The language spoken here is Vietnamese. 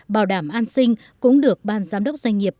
bảo đảm an sinh cũng được ban giám đốc doanh nghiệp